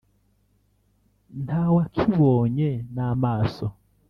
ntawakibonye n’amaso